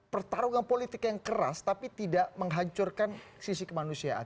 pertarungan politik yang keras tapi tidak menghancurkan sisi kemanusiaan